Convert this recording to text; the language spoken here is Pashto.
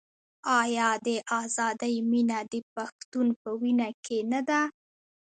آیا د ازادۍ مینه د پښتون په وینه کې نه ده؟